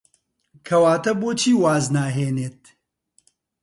کەواتە بۆچی واز ناهێنیت؟